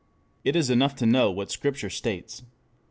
It is enough to know what Scripture states.